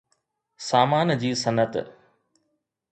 سامان جي صنعت